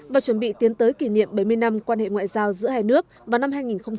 và chuẩn bị tiến tới kỷ niệm bảy mươi năm quan hệ ngoại giao giữa hai nước vào năm hai nghìn hai mươi